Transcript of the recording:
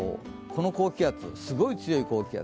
この高気圧、すごい強い高気圧。